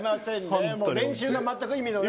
練習が全く意味ない。